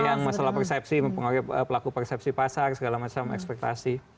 yang masalah persepsi mempengaruhi pelaku persepsi pasar segala macam ekspektasi